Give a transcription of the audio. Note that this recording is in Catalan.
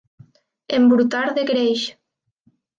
Embrutar de greix.